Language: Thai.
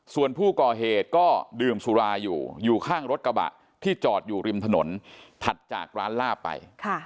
ส่วนผู้ก่อเหตุก็ดื่มสุราอยู่อยู่ข้างรถกระบะที่จอดอยู่ริมถนนถัดจากร้านลาบไป